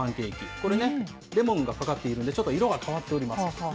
これね、レモンがかかっているんで、ちょっと色が変わっております。